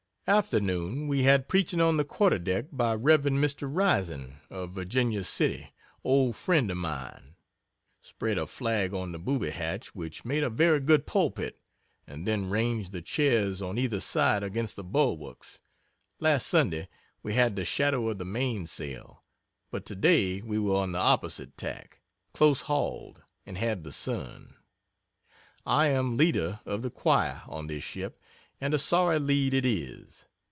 Afternoon We had preaching on the quarter deck by Rev. Mr. Rising, of Virginia City, old friend of mine. Spread a flag on the booby hatch, which made a very good pulpit, and then ranged the chairs on either side against the bulwarks; last Sunday we had the shadow of the mainsail, but today we were on the opposite tack, close hauled, and had the sun. I am leader of the choir on this ship, and a sorry lead it is.